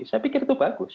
saya pikir itu bagus